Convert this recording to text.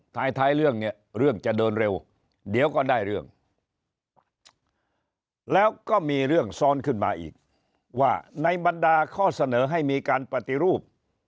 ท้ายเรื่องเนี่ยเรื่องจะเดินเร็วเดี๋ยวก็ได้เรื่องแล้วก็มีเรื่องซ้อนขึ้นมาอีกว่าในบรรดาข้อเสนอให้มีการปฏิรูป